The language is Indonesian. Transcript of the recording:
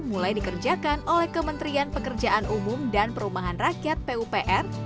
mulai dikerjakan oleh kementerian pekerjaan umum dan perumahan rakyat pupr